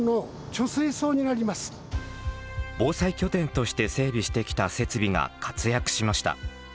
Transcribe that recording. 防災拠点として整備してきた設備が活躍しました。